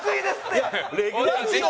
いやレギュラーでしょ。